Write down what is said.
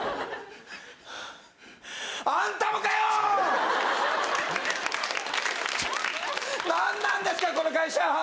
あんたもかよ。何なんですか、この会社。